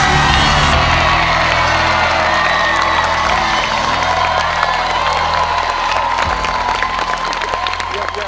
ถูกครับ